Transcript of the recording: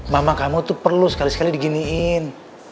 mama kamu tuh perlu sekali sekali diginiin